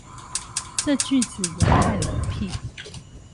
這句子也太冷僻